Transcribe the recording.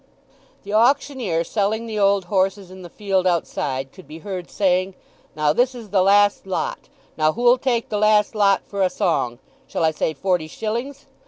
The auctioneer selling the old horses in the field outside could be heard saying, "Now this is the last lot—now who'll take the last lot for a song? Shall I say forty shillings?